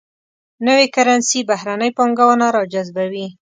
نوي کرنسي بهرنۍ پانګونه راجذبوي.